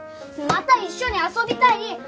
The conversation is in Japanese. また一緒に遊びたい！